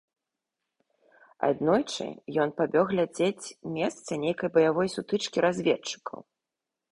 Аднойчы ён пабег глядзець месца нейкай баявой сутычкі разведчыкаў.